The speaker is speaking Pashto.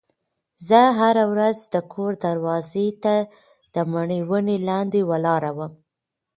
زه هره ورځ د کور دروازې ته د مڼې ونې لاندې ولاړه وم.